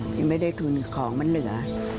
ยังไม่ได้ทุนของมันเหลือ